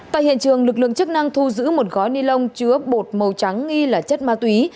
tại hiện trường lực lượng chức năng thu giữ một gói ni lông chứa bột màu trắng nghi là chất ma túy